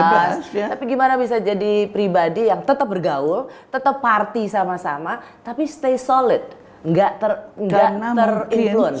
tapi gimana bisa jadi pribadi yang tetap bergaul tetap party sama sama tapi stay solid nggak ter influence